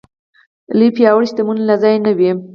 لوی پياوړ شتمنو له ځایه نه وي.